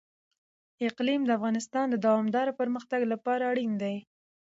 اقلیم د افغانستان د دوامداره پرمختګ لپاره اړین دي.